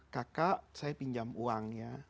kakak saya pinjam uangnya